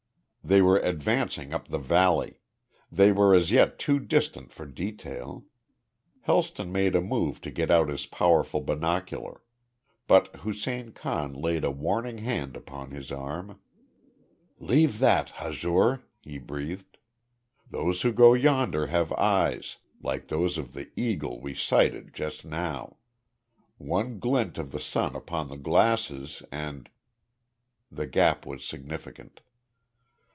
They were advancing up the valley. They were as yet too distant for detail. Helston made a move to get out his powerful binocular. But Hussein Khan laid a warning hand upon his arm. "Leave that, Hazur," he breathed. "Those who go yonder have eyes like those of the eagle we sighted just now. One glint of the sun upon the glasses, and " The gap was significant.